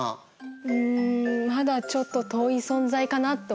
うんまだちょっと遠い存在かなと思います。